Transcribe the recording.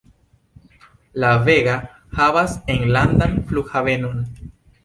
La Vega havas enlandan flughavenon.